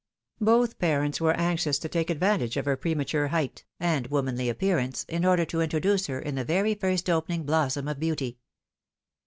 Both parents were anxious to take advantage of her premature height, and womanly appearance, in order to introduce her in the very first opening blossom of beauty.